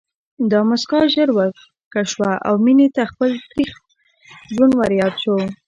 دا مسکا ژر ورکه شوه او مينې ته خپل تريخ ژوند ورياد شو